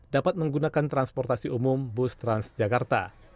dapat menggunakan transportasi umum bus trans jakarta